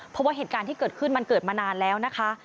เพราะว่าเหตุการณ์ที่เกิดขึ้นมันเกิดมานานแล้วนะคะ